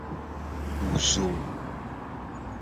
Du zo.